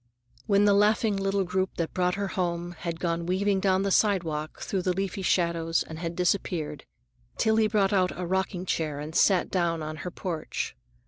When the laughing little group that brought her home had gone weaving down the sidewalk through the leafy shadows and had disappeared, Tillie brought out a rocking chair and sat down on her porch.